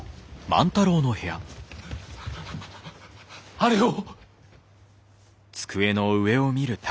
あれを！